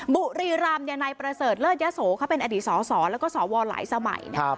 บุรีรำนายประเสริฐเลิศยะโสเขาเป็นอดีตสสแล้วก็สวหลายสมัย